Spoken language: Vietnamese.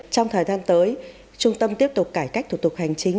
trong thời gian tới trung tâm tiếp tục cải cách thủ tục hành chính